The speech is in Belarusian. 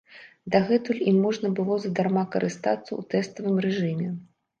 Дагэтуль ім можна было задарма карыстацца ў тэставым рэжыме.